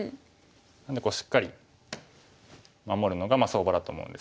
なのでしっかり守るのが相場だと思うんですけど。